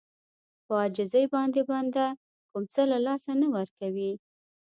په عاجزي باندې بنده کوم څه له لاسه نه ورکوي.